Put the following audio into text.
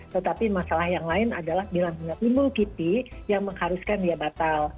tetapi masalah yang lain adalah bila tidak dimul kipik yang mengharuskan dia batal